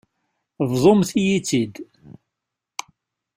Bḍumt-iyi-tt-id.